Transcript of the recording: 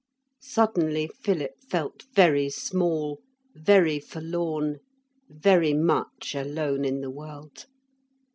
Suddenly Philip felt very small, very forlorn, very much alone in the world.